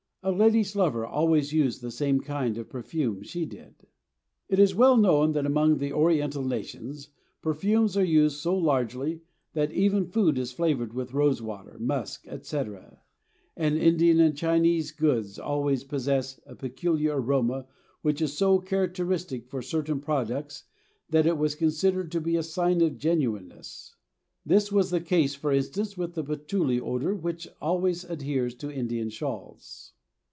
A lady's lover always used the same kind of perfume she did. It is well known that among the Oriental nations perfumes are used so largely that even food is flavored with rose water, musk, etc.; and Indian and Chinese goods always possess a peculiar aroma which is so characteristic for certain products that it was considered to be a sign of genuineness; this was the case, for instance, with the patchouly odor which always adheres to Indian shawls.